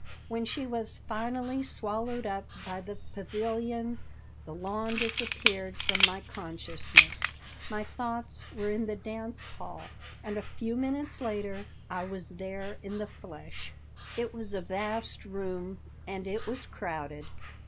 When she was finally swallowed up by the pavilion the lawn disappeared from my consciousness. My thoughts were in the dance hall, and a few minutes later I was there in the flesh It was a vast room and it was crowded.